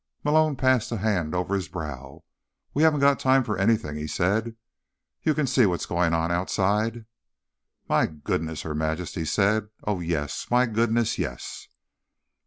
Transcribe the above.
Malone passed a hand over his brow. "We haven't got time for anything," he said. "You can see what's going on outside." "My goodness," Her Majesty said. "Oh, yes. My goodness, yes."